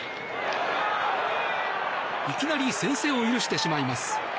いきなり先制を許してしまいます。